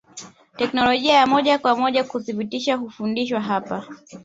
Teknolojia ya moja kwa moja kudhibiti hufundishwa hapa